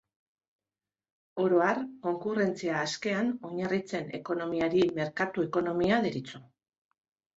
Oro har, konkurrentzia askean oinarritzen ekonomiari merkatu-ekonomia deritzo.